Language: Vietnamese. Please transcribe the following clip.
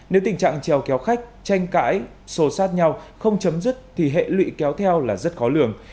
nếu tình trạng trèo kéo khách tranh cãi sô sát nhau không chấm dứt thì hệ lụy kéo theo là rất khó lường